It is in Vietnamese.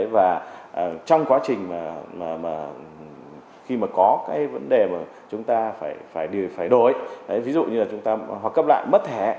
và trong quá trình mà khi mà có cái vấn đề mà chúng ta phải đổi ví dụ như là chúng ta hoặc cấp lại mất thẻ